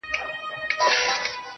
د زاريو له دې کښته قدم اخله,